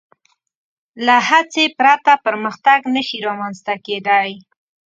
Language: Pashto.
له هڅې پرته پرمختګ نهشي رامنځ ته کېدی.